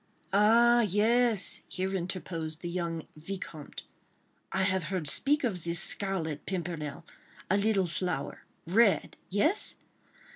"Ah, yes," here interposed the young Vicomte, "I have heard speak of this Scarlet Pimpernel. A little flower—red?—yes!